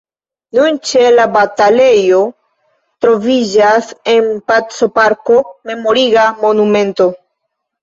Nun, ĉe la batalejo, troviĝas en paco-parko memoriga monumento.